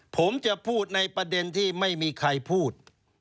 ผมจะพูดในประเด็นที่ไม่มีใครพูด